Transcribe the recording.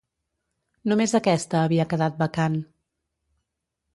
Només aquesta havia quedat vacant.